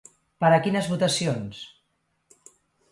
Per a quines votacions?